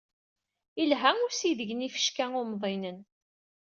Ilha usideg n yifecka umḍinen.